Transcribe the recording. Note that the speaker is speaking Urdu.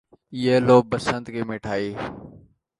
یہ لو، بسنت کی مٹھائی۔